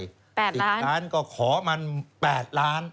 ๘ล้านบาท๑๐ล้านบาทก็ขอมัน๘ล้านบาท